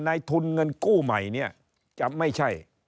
ในทุนเงินกู้ใหม่เนี่ยจะไม่ใช่